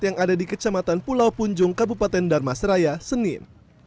yang ada di kecamatan pulau punjung kabupaten darmasraya senin